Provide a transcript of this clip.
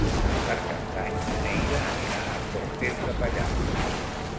Per Cap d'Any na Neida anirà a Cortes de Pallars.